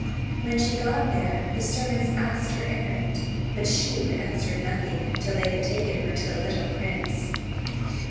When she got there the servants asked her errand but she would answer nothing till they had taken her to the little prince.